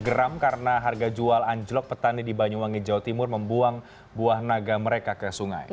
geram karena harga jual anjlok petani di banyuwangi jawa timur membuang buah naga mereka ke sungai